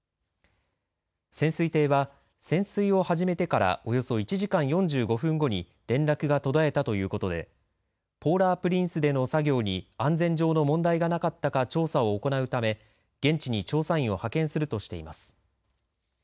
潜水艇は潜水を始めてからおよそ１時間４５分後に連絡が途絶えたということでポーラー・プリンスでの作業に安全上の問題がなかったか調査を行うため現地に調査員を派遣するとしています。